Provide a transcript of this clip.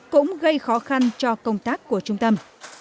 cũng gây khó khăn cho công tác của trung tâm